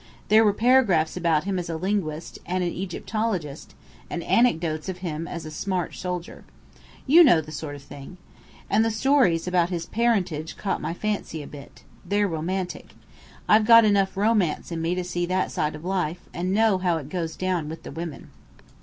There were paragraphs about him as a linguist, and an Egyptologist, and anecdotes of him as a smart soldier. You know the sort of thing. And the stories about his parentage caught my fancy a bit. They're romantic. I've got enough romance in me to see that side of life, and to know how it goes down with the women.